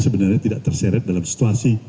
sebenarnya tidak terseret dalam situasi